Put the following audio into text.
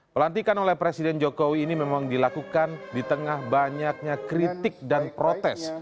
pelantikan oleh presiden jokowi ini memang dilakukan di tengah banyaknya kritik dan protes